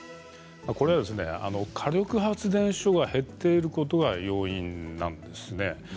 火力発電所が減っていることが要因なんですね。